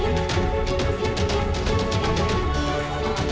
itu bagian dari tanggung jawab warga negara